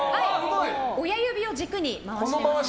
親指を軸に回します。